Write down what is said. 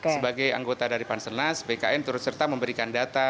sebagai anggota dari panselnas bkn terus serta memberikan data